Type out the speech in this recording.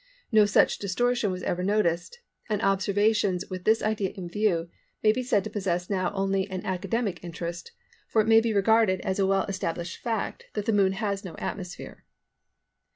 No such distortion was ever noticed, and observations with this idea in view may be said to possess now only an academic interest, for it may be regarded as a well established fact that the Moon has no atmosphere.